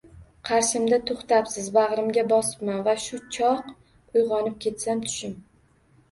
Qarshimda to‘xtabsiz. Bag‘rimga bosibman. Va shu choq uyg‘onib ketsam, tushim!..